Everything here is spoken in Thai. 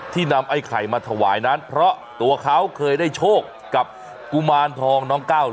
นำไอ้ไข่มาถวายนั้นเพราะตัวเขาเคยได้โชคกับกุมารทองน้องก้าว